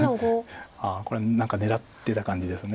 ああこれは何か狙ってた感じです。